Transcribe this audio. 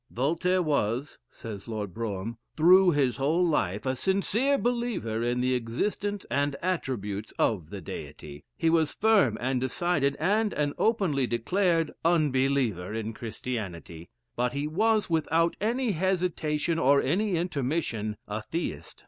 "Voltaire was," says Lord Brougham, "through his whole life, a sincere believer in the existence and attributes of the Deity. He was a firm and decided, and an openly declared unbeliever in Christianity; but he was, without any hesitation or any intermission, a Theist."